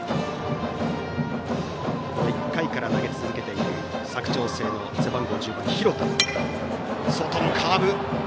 １回から投げ続けている佐久長聖の背番号１０番、廣田。